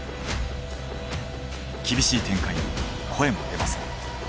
厳しい展開に声も出ません。